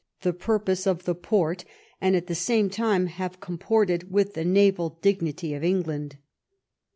66 the purpose of the Porte, and at the same time have comported with the naval dignity of England.